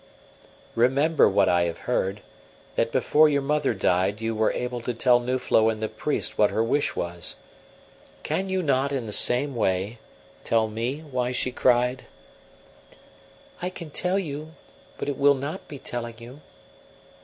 "Remember what I have heard, that before your mother died you were able to tell Nuflo and the priest what her wish was. Can you not, in the same way, tell me why she cried?" "I can tell you, but it will not be telling you."